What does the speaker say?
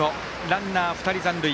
ランナー２人残塁。